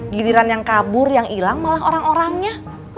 giliran yang kabur yang hilang malah orang orangnya